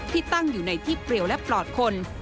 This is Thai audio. ที่ตั้งอยู่ในที่เปรียวและปลอดคน